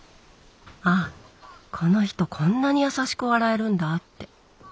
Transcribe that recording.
「あこの人こんなに優しく笑えるんだ」って。